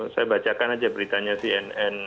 saya bacakan aja beritanya cnn